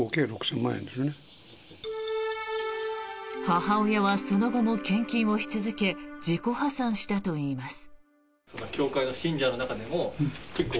母親はその後も献金をし続け自己破産したといいます。